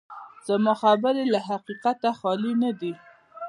زما خبرې له حقیقته خالي نه دي.